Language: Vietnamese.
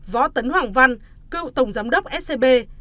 võ tấn hoàng văn cựu tổng giám đốc scb